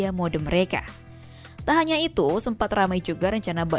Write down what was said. emang benar dapat uang lima ratus juta rupiah